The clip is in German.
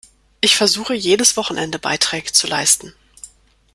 Ich versuche, jedes Wochenende Beiträge zu leisten.